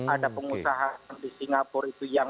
ada pengusaha di singapura itu yang